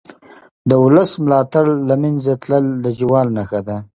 د ولس ملاتړ له منځه تلل د زوال نښه ده